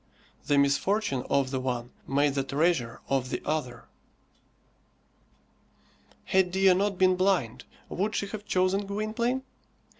The misfortune of the one made the treasure of the other. Had Dea not been blind, would she have chosen Gwynplaine?